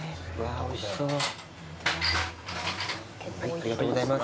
ありがとうございます。